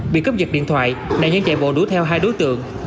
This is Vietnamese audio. bị cướp giật điện thoại đại nhân chạy bộ đuổi theo hai đối tượng